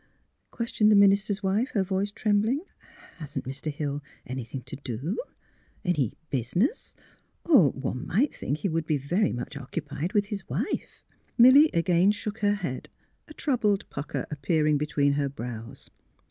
" ques tioned the minister's wife, her voice trembling. *' Hasn't Mr. Hill anything to do — any business, — or, one would think he might be very much occu pied with his wife." Milly again shook her head, a troubled pucker appearing between her brows.